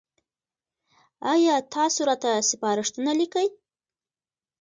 ایا تاسو راته سپارښتنه لیکئ؟